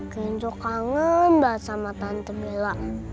kenzo kangen banget sama tante bella